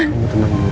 kamu tenang dulu